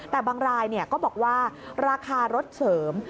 แต่บางรายก็บอกว่าราคารถเสริม